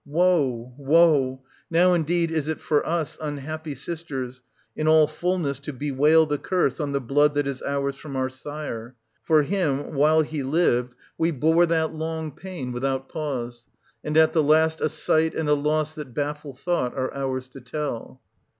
Woe, woe ! Now, indeed, is it for us, unhappy str.i. sisters, in all fulness to bewail the curse on the blood ^^^° that is ours from our sire ! For him, while he lived, we I20 SOPHOCLES [1674— 1710 bore that long pain without pause; and at the last a sight and a loss that baffle thought are ours to tell.